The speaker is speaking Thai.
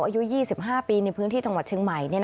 อายุ๒๕ปีในพื้นที่จังหวัดเชียงใหม่